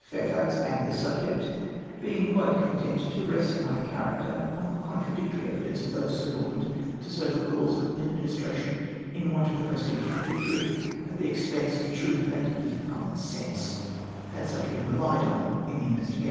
Fairfax and the subject, being quite content to rest my character on the contradictory evidence of th()se suborned to serve the cause of an administration in want of the prestige of a victory, at the expense of truth and even common sense, had such been rehed on in the inves tio'ation.